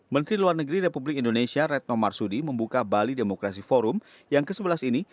menteri luar negeri republik indonesia retno marsudi membuka bali demokrasi forum yang ke sebelas ini